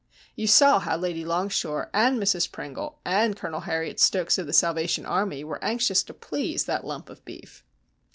You saw how Lady Longshore, and Mrs Pringle, and Colonel Harriet Stokes of the Salvation Army were anxious to please that lump of beef."